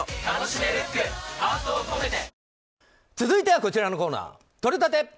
続いてはこちらのコーナーとれたて！